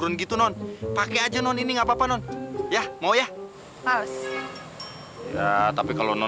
udah udah nggak apa apa wi